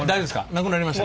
なくなりました？